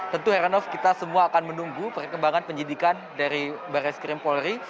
tentu heranov kita semua akan menunggu perkembangan penyidikan dari baris krim polri